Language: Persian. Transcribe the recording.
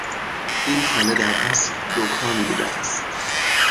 این خانه در اصل دکان بوده است.